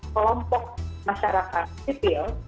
kelompok masyarakat sipil